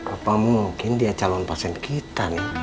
apa mungkin dia calon pasien kita nih